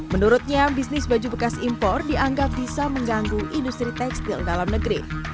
menurutnya bisnis baju bekas impor dianggap bisa mengganggu industri tekstil dalam negeri